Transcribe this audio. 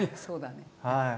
そうだね。